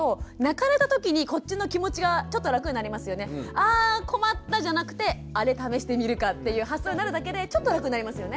あ困ったじゃなくてあれ試してみるかっていう発想になるだけでちょっと楽になりますよね。